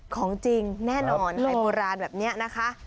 ของจริงแน่นอนไทยโบราณแบบนี้นะคะ